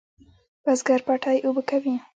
بزگر پټی اوبه کوي.